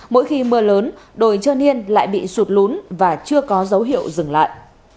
mỗi khi mưa lớn đồi trơ niên lại bị sụt lún và chưa có dấu hiệu dừng lại